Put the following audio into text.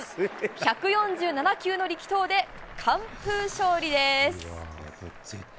１４７球の力投で完封勝利です。